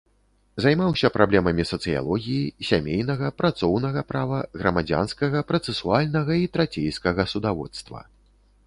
Займаўся праблемамі сацыялогіі, сямейнага, працоўнага права, грамадзянскага працэсуальнага і трацейскага судаводства.